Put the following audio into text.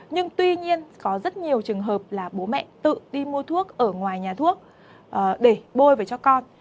nhưng tuy nhiên có rất nhiều trường hợp là bố mẹ tự đi mua thuốc ở ngoài nhà thuốc để bôi về cho con